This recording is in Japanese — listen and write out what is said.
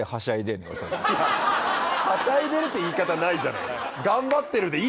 「はしゃいでる」って言い方ないじゃない。